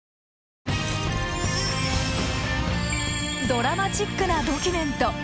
ドラマチックなドキュメント。